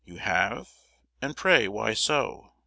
"You have; and, pray, why so?"